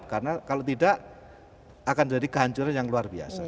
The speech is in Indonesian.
karena kalau tidak akan jadi kehancuran yang luar biasa